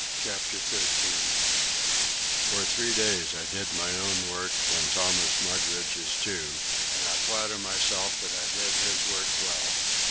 CHAPTER XIII For three days I did my own work and Thomas Mugridge's too; and I flatter myself that I did his work well.